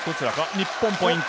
日本、ポイント。